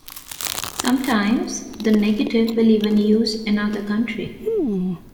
Sometimes, the Negative will even use another country.